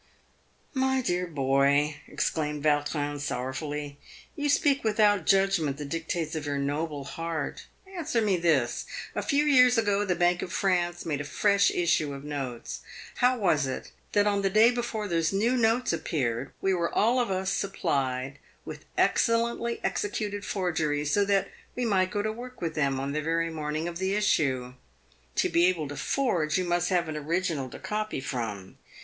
"My dear boy," exclaimed Vautrin, sorrowfully, "you speak without judgment the dictates of your noble heart. Answer me this. A few years ago the Bank of France made a fresh issue of notes. How was it that on the day before those new notes appeared we were all of us supplied with excellently executed forgeries, so that we might go to work with them on the very morning of the issue ? To be able to forge you must have an original to copy from.